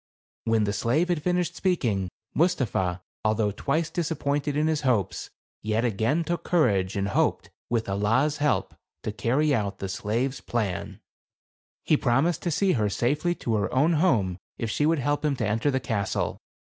When the slave had finished speaking, Mus tapha, although twice disappointed in his hopes, yet again took courage and hoped, with Allah's help, to carry out the slave's plan. He promised to see her safely to her own home if she would help him to enter the castle.